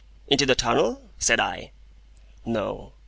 "Into the tunnel?" said I. "No.